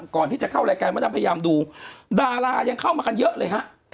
ก่อนที่จะเข้ารายการมดำพยายามดูดารายังเข้ามากันเยอะเลยฮะ